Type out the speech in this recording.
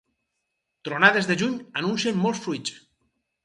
Tronades de juny anuncien molts fruits.